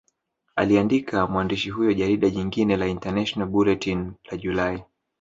Aliandika mwandishi huyo Jarida jingine la International Bulletin la Julai